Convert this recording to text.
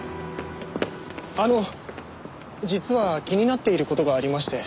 あの実は気になっている事がありまして。